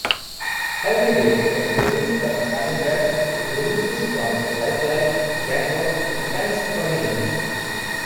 "Everyday" was produced by Alan Braxe with remixes from LifeLike, Jakwob, and Franz Ferdinand.